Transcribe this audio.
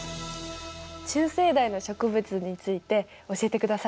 中生代の植物について教えてください。